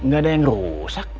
gak ada yang rusak